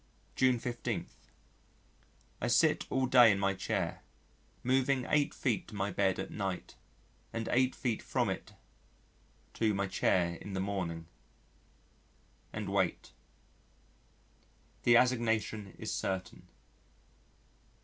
June 15. I sit all day in my chair, moving 8 feet to my bed at night, and 8 feet from it to my chair in the morning and wait. The assignation is certain.